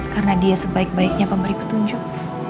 karena dia sebaik baiknya pemberi petunjuk